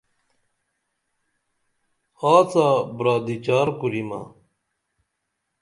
آڅا برادی چار کُریمہ